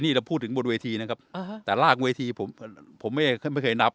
นี่เราพูดถึงบนเวทีนะครับแต่รากเวทีผมไม่เคยนับ